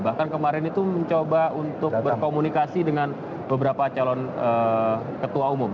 bahkan kemarin itu mencoba untuk berkomunikasi dengan beberapa calon ketua umum